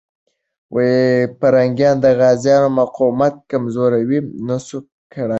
پرنګیان د غازيانو مقاومت کمزوری نسو کړای.